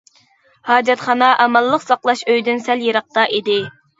ھاجەتخانا ئامانلىق ساقلاش ئۆيىدىن سەل يىراقتا ئىدى.